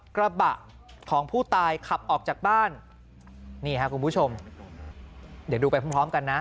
กระบะของผู้ตายขับออกจากบ้านนี่ครับคุณผู้ชมเดี๋ยวดูไปพร้อมพร้อมกันนะ